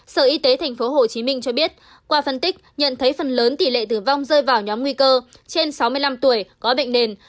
sở y tế tp hcm cho biết qua phân tích nhận thấy phần lớn tỷ lệ tử vong rơi vào nhóm nguy cơ trên sáu mươi năm tuổi có bệnh nền